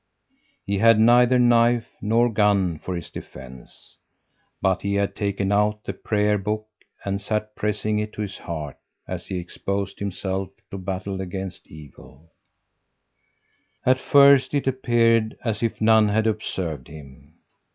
"He had neither knife nor gun for his defence, but he had taken out the Prayer book and sat pressing it to his heart as he exposed himself to battle against evil. "At first it appeared as if none had observed him.